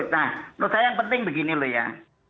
nah menurut saya yang penting begini loh ya